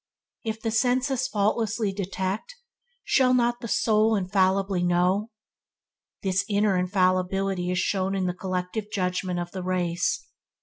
If the senses faultlessly detect, shall not the soul infallibly know! This inner infallibility is shown in the collective judgement of the race.